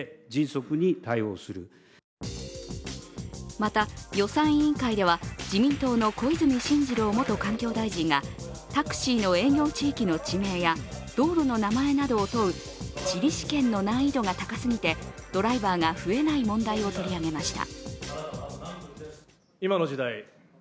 また予算委員会では、自民党の小泉進次郎元環境大臣がタクシーの営業地域の地名や道路の名前などを問う地理試験の難易度が高すぎてドライバーが増えない問題を取り上げました。